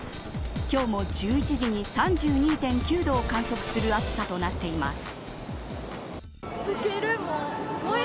今日も１１時に３２．９度を観測する暑さとなっています。